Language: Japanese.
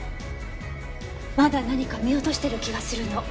まだ何か見落としてる気がするの。